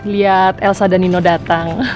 lihat elsa dan nino datang